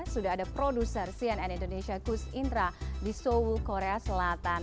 sudah ada produser cnn indonesia kus indra di seoul korea selatan